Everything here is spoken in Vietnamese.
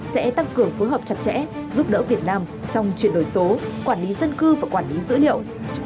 sẽ tăng cường phối hợp chặt chẽ giúp đỡ việt nam trong chuyển đổi số quản lý dân cư và quản lý dữ liệu